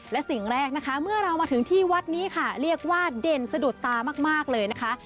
และสิ่งแรกนะคะเมื่อเรามาถึงที่วัดนี้ค่ะเรียกว่าเด่นสะดุดตามากเลยนะคะ